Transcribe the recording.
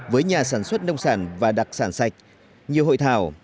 với nhà sản xuất nông sản và đặc sản sạch nhiều hội thảo